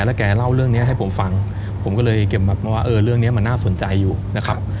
แล้วแกเล่าเรื่องนี้ให้ผมฟังผมก็เลยเก็บแบบว่าเออเรื่องนี้มันน่าสนใจอยู่นะครับ